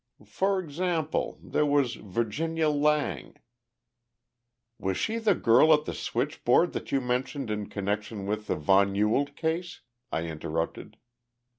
For example, there was Virginia Lang " "Was she the girl at the switchboard that you mentioned in connection with the von Ewald case?" I interrupted.